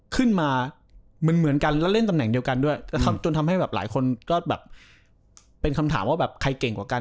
ขึ้นมาเหมือนกันแล้วเล่นตำแหน่งเดียวกันด้วยก็ทำจนทำให้แบบหลายคนก็แบบเป็นคำถามว่าแบบใครเก่งกว่ากัน